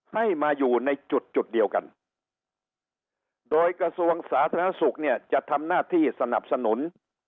ให้มาอยู่ในจุดจุดเดียวกันโดยกระทรวงสาธารณสุขเนี่ยจะทำหน้าที่สนับสนุน